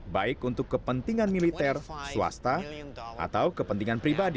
baik untuk kepentingan militer swasta atau kepentingan pribadi